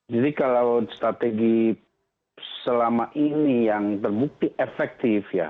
jadi kalau strategi selama ini yang terbukti efektif ya